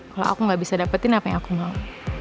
kalau aku gak bisa dapetin apa yang aku mau